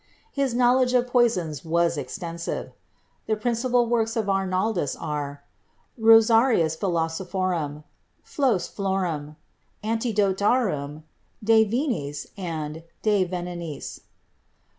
His knowledge of poisons was extensive. The principal works of Arnaldus are "Rosarius philosophorum," "Flos florum," '"Antidotarium," "De Vinis" and "De Venenis."